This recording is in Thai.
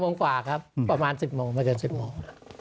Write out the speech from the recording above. โมงกว่าครับประมาณ๑๐โมงไม่เกิน๑๐โมง